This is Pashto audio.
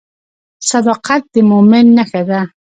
صداقت د مؤمن نښه ده.